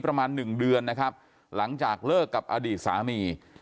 ประมาณหนึ่งเดือนนะครับหลังจากเลิกกับอดีตสามี